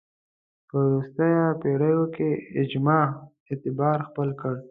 په راوروسته پېړیو کې اجماع اعتبار خپل کړ